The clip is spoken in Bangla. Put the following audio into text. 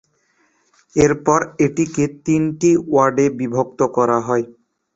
এরপর এটিকে তিনটি ওয়ার্ডে বিভক্ত করা হয়।